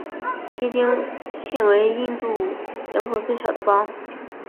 锡金现为印度人口最少的邦。